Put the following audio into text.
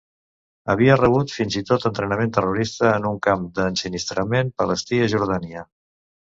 Havia rebut fins i tot entrenament terrorista en un camp d'ensinistrament palestí a Jordània.